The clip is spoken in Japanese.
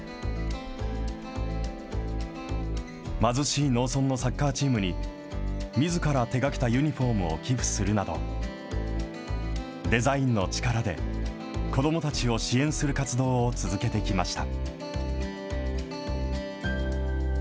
貧しい農村のサッカーチームに、みずから手がけたユニホームを寄付するなど、デザインの力で、子どもたちを支援する活動を続けてきました。